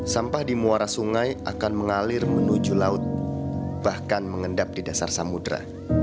sampah di muara sungai akan mengalir menuju laut bahkan mengendap di dasar samudera